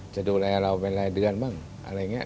จะดูแลเราเป็นรายเดือนบ้างอะไรอย่างนี้